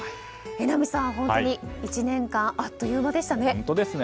榎並さん、本当に１年間あっという間でしたね。